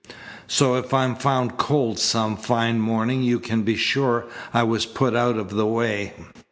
So if I'm found cold some fine morning you can be sure I was put out of the way.'